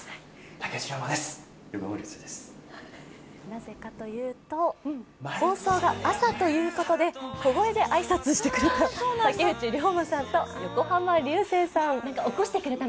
なぜかというと、放送が朝ということで、小声であいさつをしてくれた竹内涼真さんと横浜流星さん。